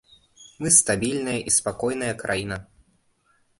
Мы стабільная і спакойная краіна.